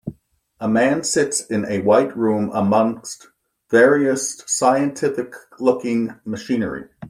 A man sits in a white room amongst various scientificlooking machinery.